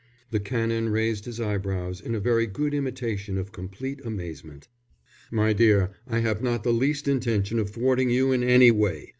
The Canon raised his eyebrows in a very good imitation of complete amazement. "My dear, I have not the least intention of thwarting you in any way.